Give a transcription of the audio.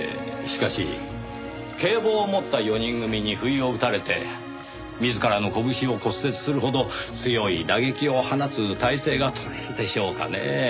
しかし警棒を持った４人組に不意を打たれて自らの拳を骨折するほど強い打撃を放つ体勢がとれるでしょうかねぇ？